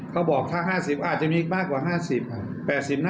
เขาบอกถ้า๕๐บาทอาจจะมีมากกว่า๕๐